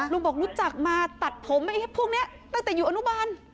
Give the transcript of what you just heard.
บอกรู้จักมาตัดผมพวกนี้ตั้งแต่อยู่อนุบาล